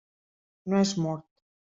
No és mort.